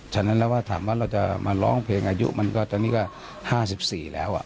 ฉะนั้นเราถามว่าเราจะมาร้องเพลงอายุนี้ก็๕๔แล้ว